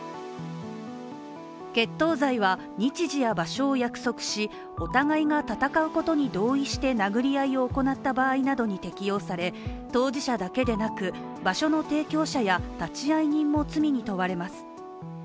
決闘罪は日時や場所を約束しお互いが戦うことに同意して殴り合いを行った場合に適用され、当事者だけでなく、場所の提供者や立会人も罪に問われます。